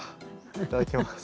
いただきます。